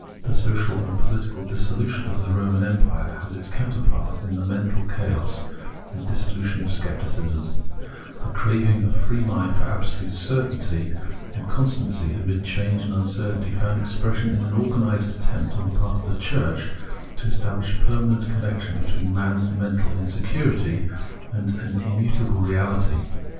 The social and political dissolution of the Roman Empire has its counterpart in the mental chaos and dissolution of Scepticism ; the craving of free mind for absolute stability and constancy amid change and uncertainty found expression in an organised attempt on the part of the Church to establish permanent con nection between man's mental insecurity and an Immutable Reality.